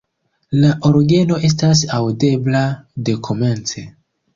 La orgeno estas aŭdebla dekomence.